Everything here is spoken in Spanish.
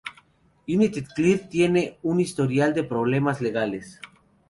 United Nuclear tiene un historial de problemas legales.